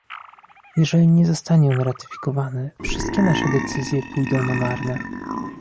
Jeżeli nie zostanie on ratyfikowany, wszystkie nasze decyzje pójdą na marne